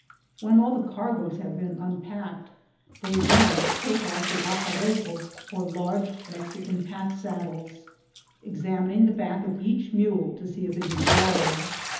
When all the cargoes have been unpacked, they then take off the aparejos, or large Mexican pack saddles, examining the back of each mule to see if it is galled.